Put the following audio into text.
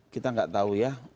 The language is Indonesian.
kita gak tahu ya